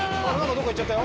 どっか行っちゃった。